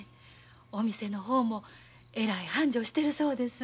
お店の方もえらい繁盛してるそうです。